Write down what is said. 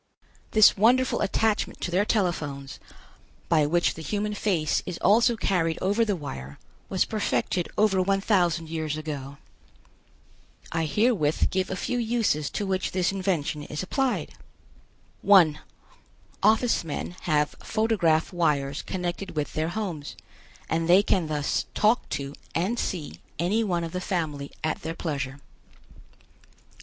This wonderful attachment to their telephones, by which the human face is also carried over the wire, was perfected over one thousand years ago. I herewith give a few uses to which this invention is applied. 1. Office men have photograph wires connected with their homes, and they can thus talk to and see any one of the family at their pleasure.